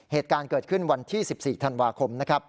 เหตุการณ์เกิดขึ้นวันที่๑๔ธันวาคมนะครับ